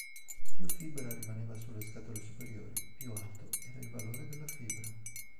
Più fibra rimaneva sulle scatole superiori, più alto era il valore della fibra.